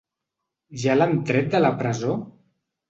Ja l’han tret de la presó?